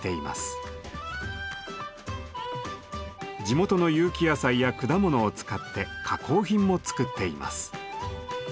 地元の有機野菜や果物を使って加工品も作っています。